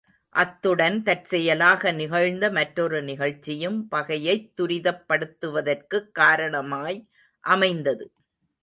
அத்துடன் தற்செயலாக நிகழ்ந்த மற்றொரு நிகழ்ச்சியும் பகையைத் துரிதப்படுத்துவதற்குக் காரணமாய் அமைந்தது.